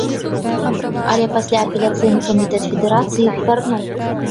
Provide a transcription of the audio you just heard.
Але пасля апеляцыйны камітэт федэрацыі іх вярнуў.